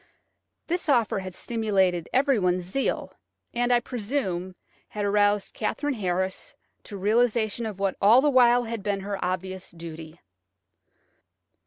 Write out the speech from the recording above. This offer had stimulated everyone's zeal, and, I presume, had aroused Katherine Harris to a realisation of what had all the while been her obvious duty.